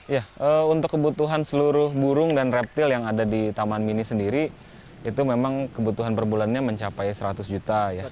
ya untuk kebutuhan seluruh burung dan reptil yang ada di taman mini sendiri itu memang kebutuhan perbulannya mencapai seratus juta ya